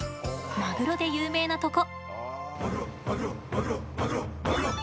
マグロで有名なとこ。